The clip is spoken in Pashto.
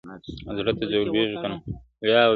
عطار وځغستل ګنجي پسي روان سو-